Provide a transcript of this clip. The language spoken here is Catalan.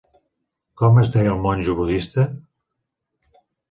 Com es deia el monjo budista?